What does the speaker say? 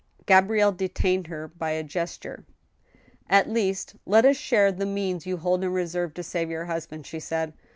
Gabrielle de tained her by a gesture. " At least let us share the means you hold in reserve to save your husband," she said.